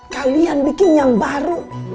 kalian bikin yang baru